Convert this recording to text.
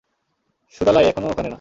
সুদালাই এখনো ওখানে না?